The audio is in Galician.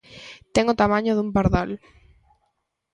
Ten o tamaño dun pardal.